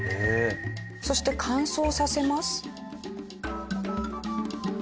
そして乾燥させます。